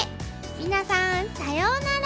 皆さんさようなら！